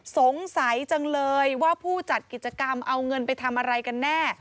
สงสัยจังเลยว่าผู้จัดกิจกรรมเอาเงินไปทำอะไรกันแน่